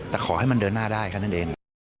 แต่ขอให้มันเดินหน้าได้แค่นั้นเอง